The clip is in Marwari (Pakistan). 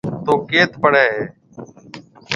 ٿون ڪيٿ پڙهيَ هيَ؟